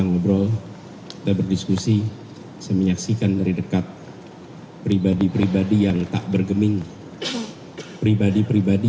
ngobrol kita berdiskusi saya menyaksikan dari dekat pribadi pribadi yang tak bergeming pribadi pribadi